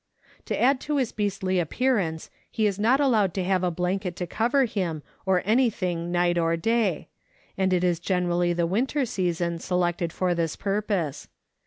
To add to his beastly appearance, he is not allowed to have a blanket to cover him or anything night or day, and it is generally the winter season selected for this purpose.